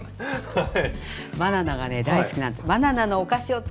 はい。